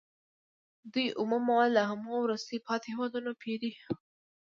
دوی اومه مواد له هماغو وروسته پاتې هېوادونو پېري